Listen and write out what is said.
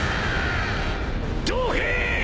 ［どへ！